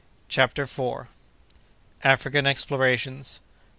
CHAPTER FOURTH. African Explorations.